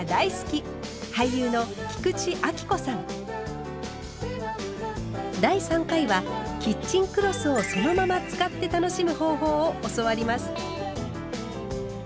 俳優の第３回はキッチンクロスをそのまま使って楽しむ方法を教わります。